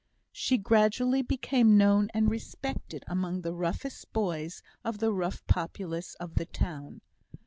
She gradually became known and respected among the roughest boys of the rough populace of the town.